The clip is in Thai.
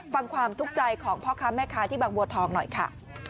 ฟังความทุกข์ใจของพ่อค้าแม่ค้าที่บางบัวทองหน่อยค่ะ